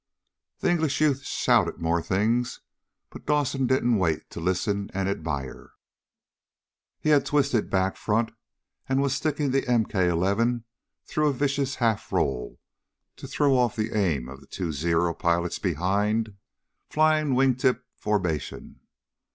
The English youth shouted more things, but Dawson didn't wait to listen and admire. He had twisted back front and was sticking the MK 11 through a vicious half roll to throw off the aim of the two Zero pilots behind flying wingtip formation.